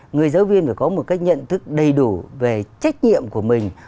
người giáo viên phải có một cái nhận thức đầy đủ về trách nhiệm của mình